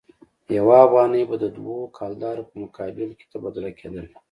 یو افغانۍ به د دوه کلدارو په مقابل کې تبادله کېدله.